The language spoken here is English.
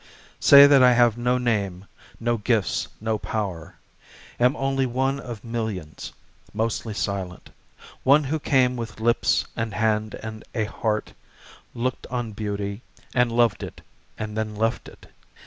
Say that I have no name, no gifts, no power, Am only one of millions, mostly silent; One who came with lips and hands and a heart, Looked on beauty, and loved it, and then left it.